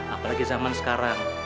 apalagi zaman sekarang